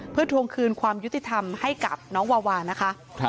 เพื่อทวงคืนความยุติธรรมให้กับน้องวาวานะคะ